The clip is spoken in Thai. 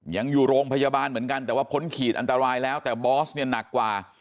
ยังอยู่โรงพยาบาลเหมือนกันแต่ว่าพ้นขีดอันตรายแล้วแต่บอสเนี่ยหนักกว่า